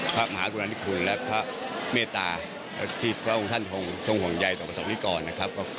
พระมหากรุณาธิคุณและพระเมตตาที่พระองค์ท่านทรงห่วงใยต่อประสบนิกรนะครับ